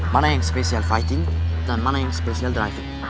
mana yang spesial fighting dan mana yang spesial driving